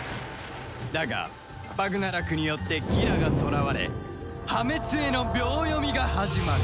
だがバグナラクによってギラが捕らわれ破滅への秒読みが始まる